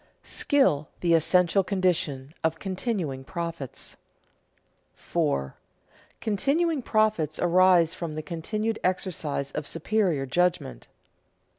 [Sidenote: Skill the essential condition of continuing profits] 4. _Continuing profits arise from the continued exercise of superior judgment.